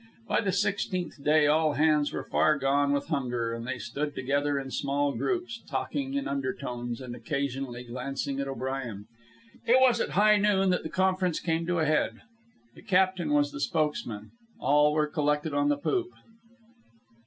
By the sixteenth day all hands were far gone with hunger, and they stood together in small groups, talking in undertones and occasionally glancing at O'Brien. It was at high noon that the conference came to a head. The captain was the spokesman. All were collected on the poop.